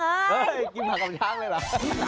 เฮ้ยกินผักกับช้างเลยเหรอ